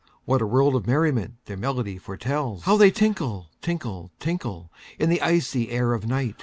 What a world of merriment their melody foretells! How they tinkle, tinkle, tinkle, In the icy air of night!